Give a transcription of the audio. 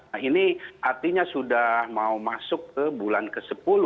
nah ini artinya sudah mau masuk ke bulan ke sepuluh